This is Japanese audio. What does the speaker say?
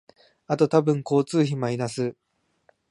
あと多分交通費マイナス